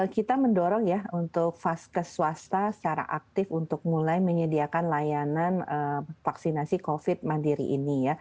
kita mendorong untuk swasta secara aktif untuk mulai menyediakan layanan vaksinasi covid sembilan belas mandiri ini